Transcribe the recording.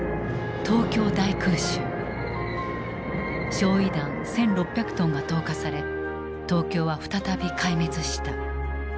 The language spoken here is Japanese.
焼夷弾１，６００トンが投下され東京は再び壊滅した。